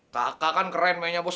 kakak kan keren mainnya bos